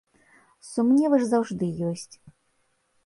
Сумневы ж заўжды ёсць.